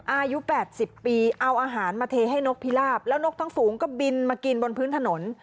อายุ๘๐ปีเอาอาหารมาเทให้นกพิลาบแล้วนกทั้งฝูงก็บินมากินบนพื้นถนน